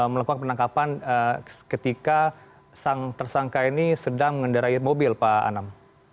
melakukan penangkapan ketika sang tersangka ini sedang mengendarai mobil pak anam